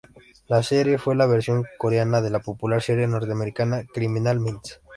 La serie fue la versión coreana de la popular serie norteamericana Criminal Minds.